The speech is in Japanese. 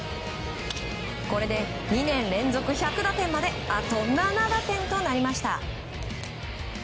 これで２年連続１００打点まであと７打点となりました。